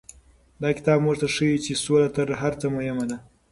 دا کتاب موږ ته ښيي چې سوله تر هر څه مهمه ده.